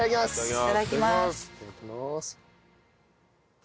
いただきます。